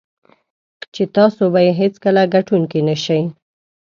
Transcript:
چې تاسو به یې هېڅکله ګټونکی نه شئ.